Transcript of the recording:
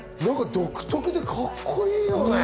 独特でカッコいいよね。